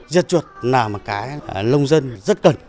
diệt chuột là một cái nông dân rất cần